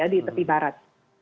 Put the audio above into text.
di tepi barat